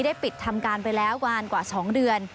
ปิดทำการไปแล้วนานกว่า๒เดือน